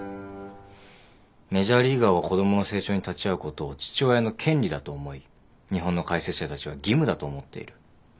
メジャーリーガーは子供の成長に立ち会うことを父親の権利だと思い日本の解説者たちは義務だと思っている。